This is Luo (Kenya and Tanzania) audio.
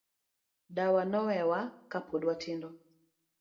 Dawa nowewa ka pod watindo.